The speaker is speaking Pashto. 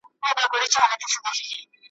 پر کور د انارګل به د زاغانو غوغا نه وي `